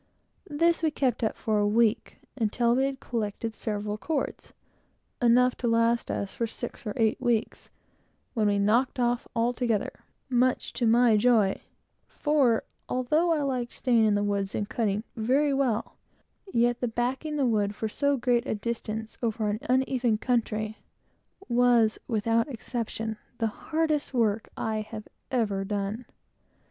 This, we kept up for a week, until we had collected several cords, enough to last us for six or eight weeks when we "knocked off" altogether, much to my joy; for, though I liked straying in the woods, and cutting, very well, yet the backing the wood for so great a distance, over an uneven country, was, without exception, the hardest work I had ever done.